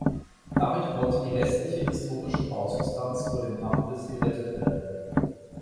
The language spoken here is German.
Damit konnte die restliche historische Bausubstanz vor dem Abriss gerettet werden.